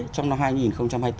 trong năm hai nghìn hai mươi bốn